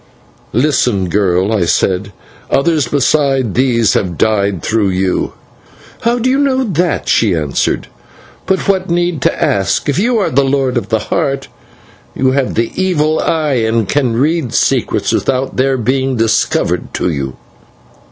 "Listen, girl!" I said; "others besides these have died through you." "How do you know that?" she answered. "But what need to ask? If you are the Lord of the Heart you have the evil eye, and can read secrets without their being discovered to you."